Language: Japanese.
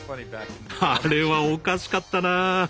あれはおかしかったな！